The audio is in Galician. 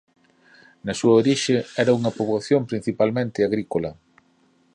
Na súa orixe era unha poboación principalmente agrícola.